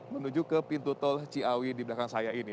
menuju ke pintu tol ciawi di belakang saya ini